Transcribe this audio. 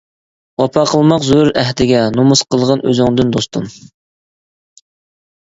ۋاپا قىلماق زۆرۈر ئەھدىگە، نومۇس قىلغىن ئۆزۈڭدىن دوستۇم.